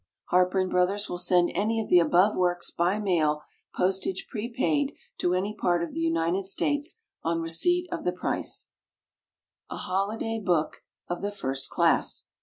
HARPER & BROTHERS will send any of the above works by mail, postage prepaid, to any part of the United States, on receipt of the price. "_A Holiday Book of the First Class.